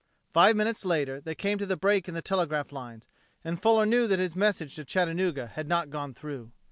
Five minutes later they came to the break in the telegraph lines, and Fuller knew that his message to Chattanooga had not gone through.